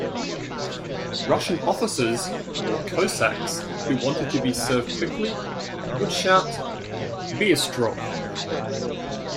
Russian officers or cossacks who wanted to be served quickly would shout "bystro".